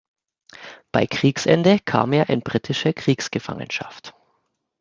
Bei Kriegsende kam er in britische Kriegsgefangenschaft.